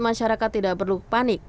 masyarakat tidak perlu panik